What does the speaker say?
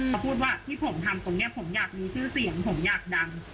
เขาพูดว่าที่ผมทำตรงนี้ผมอยากมีชื่อเสียงผมอยากดัง